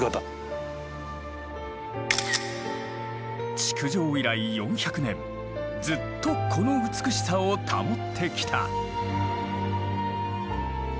築城以来４００年ずっとこの美しさを保ってきた。